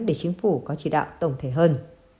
để chính phủ có chỉ đạo tổng thể hơn